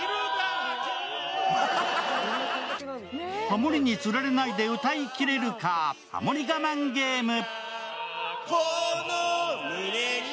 ハモリにつられないで歌いきれるかハモり我慢ゲーム。